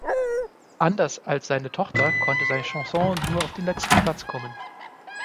Anders als seine Tochter konnte sein Chanson nur auf den letzten Platz kommen.